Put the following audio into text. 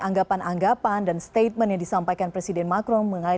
anggapan anggapan dan statement yang disampaikan presiden macron